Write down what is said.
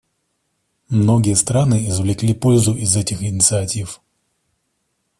Многие страны извлекли пользу из этих инициатив.